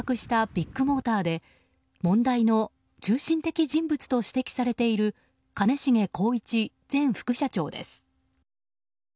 不正が相次ぎ発覚したビッグモーターで問題の中心人物と指摘されている兼重宏一前副社長です。